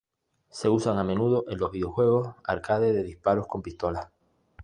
Se usan a menudo en los videojuegos arcade de disparos con pistolas.